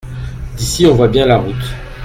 D’ici on voit bien la route.